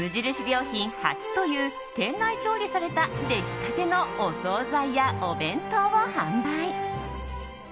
良品初という店内調理された出来たてのお総菜やお弁当を販売。